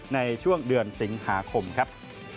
ในช่วงเดือนสิงหาคมครับ